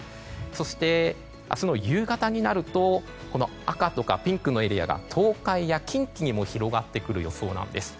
そして、明日の夕方になると赤とかピンクのエリアが東海や近畿にも広がってくる予想なんです。